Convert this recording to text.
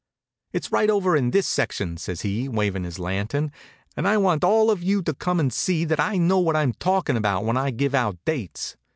"It's right over in this section," says he, wavin' his lantern, "and I want all of you to come and see that I know what I'm talking about when I give out dates.